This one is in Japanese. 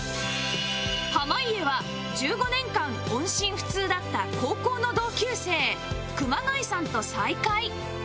濱家は１５年間音信不通だった高校の同級生熊谷さんと再会